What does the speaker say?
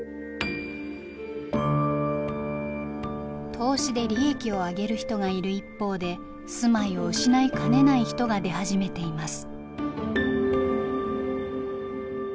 投資で利益を上げる人がいる一方で住まいを失いかねない人が出始めています。